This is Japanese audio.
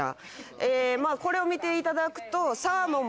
えまぁこれを見ていただくと。